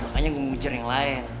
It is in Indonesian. makanya gua ngujar yang lain